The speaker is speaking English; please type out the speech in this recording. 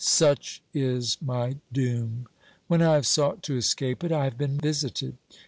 Such is my doom ; when I have sought to escape it, I have been visited.